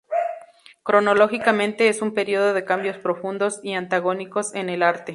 Cronológicamente es un periodo de cambios profundos y antagónicos en el arte.